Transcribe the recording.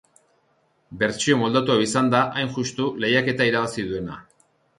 Bertsio moldatu hau izan da, hain justu, lehiaketa irabazi duena.